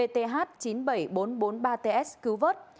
tàu cá bth chín mươi bảy nghìn bốn trăm bốn mươi ba ts cứu vất